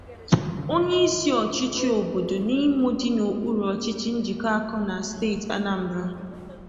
onyeisi ọchịchị òbòdò Nimo dị n'okpuru ọchịchị Njikọka na steeti Anambra.